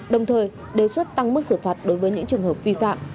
đồng thời đề xuất tăng mức xử phạt đối với những trường hợp vi phạm